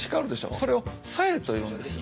それを冴えというんですよ。